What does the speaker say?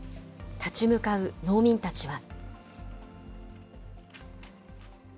立ち向かう農民たちは。